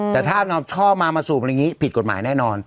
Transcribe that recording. แต่ถ้าช่อมามาสูบอะไรอย่างนี้ผิดกฎหมายแน่นอน